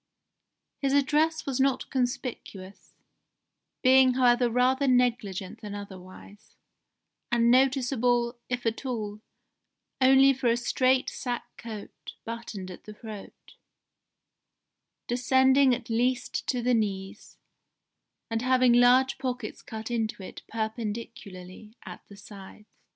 His dress was not conspicuous, being however rather negligent than otherwise, and noticeable, if at all, only for a straight sack coat buttoned at the throat, descending at least to the knees, and having large pockets cut into it perpendicularly at the sides.